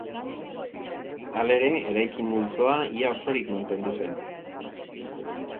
Halere, eraikin multzoa ia osorik mantendu zen.